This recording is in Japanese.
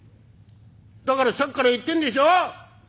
「だからさっきから言ってんでしょう！？